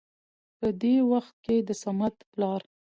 په دې وخت کې د صمد پلار